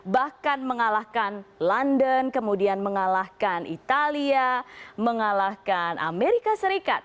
bahkan mengalahkan london kemudian mengalahkan italia mengalahkan amerika serikat